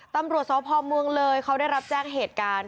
ตำรวจสพเมืองเลยเขาได้รับแจ้งเหตุการณ์